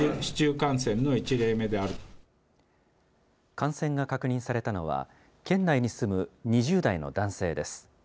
感染が確認されたのは、県内に住む２０代の男性です。